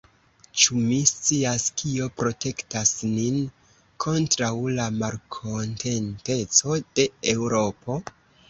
Ĉu vi scias, kio protektas nin kontraŭ la malkontenteco de Eŭropo?